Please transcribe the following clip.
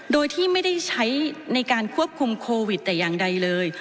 โดยที่ไม่ได้ใช้ในการควบคุมโควิดแต่อย่างใดเลย